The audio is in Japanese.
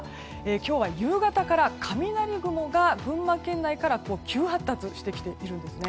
今日は夕方から雷雲が群馬県内から急発達してきているんです。